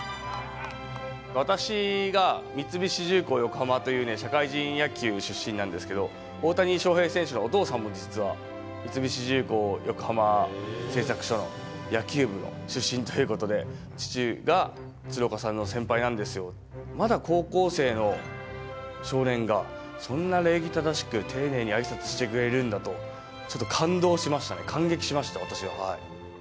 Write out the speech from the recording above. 私が三菱重工横浜っていう社会人野球出身なんですけど、大谷翔平選手のお父さんも実は三菱重工横浜製作所の野球部の出身ということで、父が鶴岡さんの先輩なんですよって、まだ高校生の少年が、そんな礼儀正しく丁寧にあいさつしてくれるんだと、ちょっと感動しましたね、感激しました、私は。